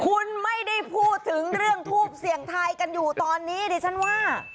คุณไม่ได้พูดถึงเรื่องทูบเสี่ยงทายกันอยู่ตอนนี้ดิฉันว่า